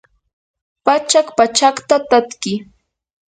pachak pachakcha tatki